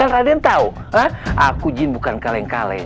kan raden tau aku jin bukan kaleng kaleng